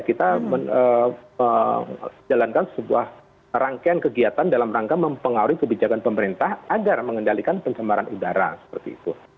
kita menjalankan sebuah rangkaian kegiatan dalam rangka mempengaruhi kebijakan pemerintah agar mengendalikan pencemaran udara seperti itu